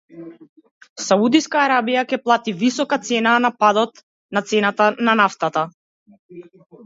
Саудиска Арабија ќе плати висока цена за падот на цената на нафтата